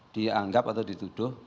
dianggap atau dituduh